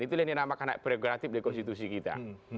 itulah yang dinamakan regulatif di konstitusi kita